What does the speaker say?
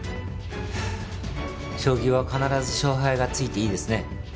将棋は必ず勝敗がついていいですね。